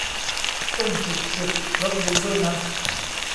ตุ้ง ฉึก ฉึก รสดีด้วยนะ